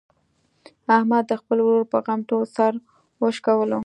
احمد د خپل ورور په غم ټول سر و شکولو.